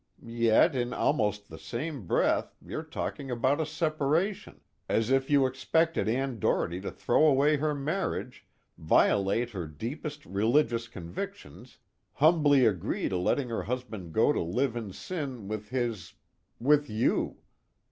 Yet in almost the same breath you're talking about a separation, as if you expected Ann Doherty to throw away her marriage, violate her deepest religious convictions, humbly agree to letting her husband go live in sin with his ... with you.